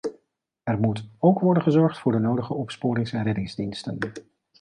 Er moet ook worden gezorgd voor de nodige opsporings- en reddingsdiensten.